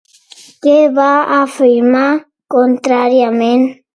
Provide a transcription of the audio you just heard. Què va afirmar, contràriament?